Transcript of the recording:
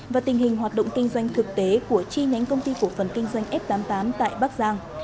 và tình hình hoạt động kinh doanh thực tế của chi nhánh công ty cổ phần kinh doanh f tám mươi tám tại bắc giang